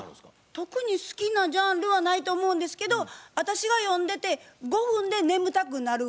特に好きなジャンルはないと思うんですけど私が読んでて５分で眠たくなる本ばっかり読んでます。